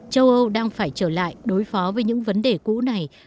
châu âu đang phải trở lại đối phó với những vấn đề cũ này